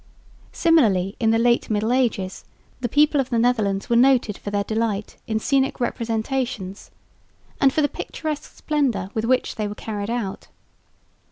Similarly in the late Middle Ages the people of the Netherlands were noted for their delight in scenic representations and for the picturesque splendour with which they were carried out.